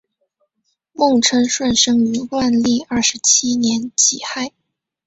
孟称舜生于万历二十七年己亥。